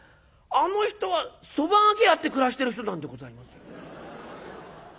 あの人はそば賭けやって暮らしてる人なんでございます。